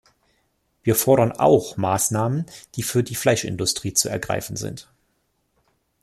Wir fordern auch Maßnahmen, die für die Fleischindustrie zu ergreifen sind.